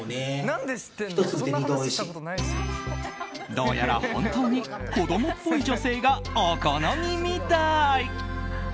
どうやら本当に子供っぽい女性がお好みみたい！